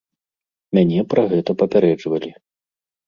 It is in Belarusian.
Мяне пра гэта папярэджвалі.